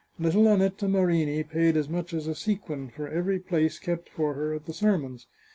Little Annetta Marini paid as much as a sequin for every place kept for her at the sermons.